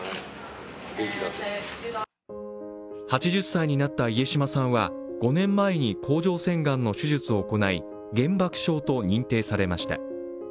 ８０歳になった家島さんは５年前に甲状腺がんの手術を行い、原爆症と認定されました。